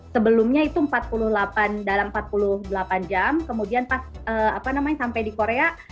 sebelumnya itu empat puluh delapan dalam empat puluh delapan jam kemudian pas apa namanya sampai di korea